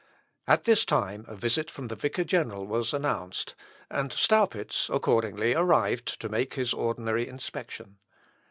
At this time a visit from the vicar general was announced, and Staupitz accordingly arrived to make his ordinary inspection.